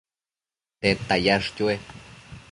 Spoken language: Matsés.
tedta yash chue?